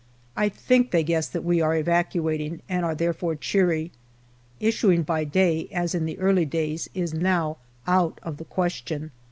I think they guess that we are evacuating, and are therefore cheery. Issuing by day, as in the early days, is now out of the question.